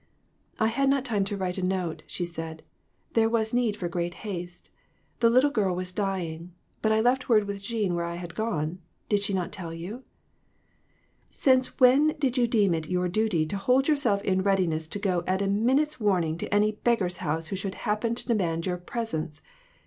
"I had not time to write a note," she said; "there was need for great haste. The little girl was dying ; but I left word with Jean where I had gone. Did she not tell you ?"" Since when did you deem it your duty to hold yourself in readiness to go at a minute's warning to any beggar's house who should happen to demand your presence